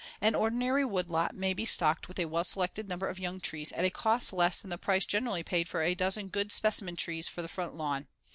An ordinary woodlot may be stocked with a well selected number of young trees at a cost less than the price generally paid for a dozen good specimen trees for the front lawn.